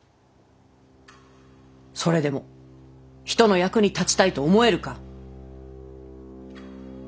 それでも人の役に立ちたいと思えるか？